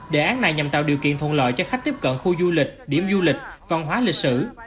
đề án này nhằm tạo điều kiện thuận lợi cho khách tiếp cận khu du lịch điểm du lịch văn hóa lịch sử